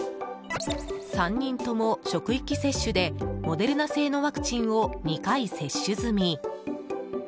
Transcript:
３人とも職域接種でモデルナ製のワクチンを２回接種済み。